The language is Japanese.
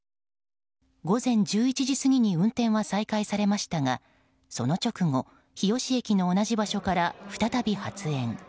午前１１時過ぎに運転は再開されましたがその直後、日吉駅の同じ場所から再び発煙。